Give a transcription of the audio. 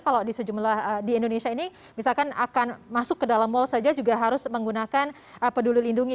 kalau di sejumlah di indonesia ini misalkan akan masuk ke dalam mal saja juga harus menggunakan peduli lindungi